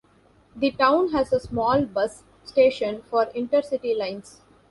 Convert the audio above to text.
The town has a small bus station for intercity lines.